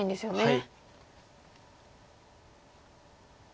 はい。